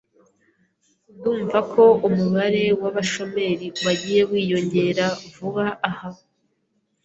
Ndumva ko umubare w'abashomeri wagiye wiyongera vuba aha.